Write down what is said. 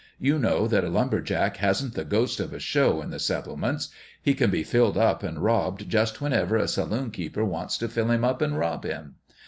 You know that a lumber jack hasn't the ghost of a show in the settlements. He can be filled up and robbed just whenever a saloon keeper wants to fill him up and rob him.